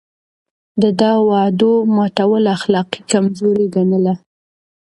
ده د وعدو ماتول اخلاقي کمزوري ګڼله.